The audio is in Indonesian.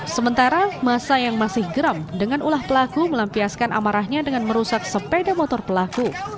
sementara masa yang masih geram dengan ulah pelaku melampiaskan amarahnya dengan merusak sepeda motor pelaku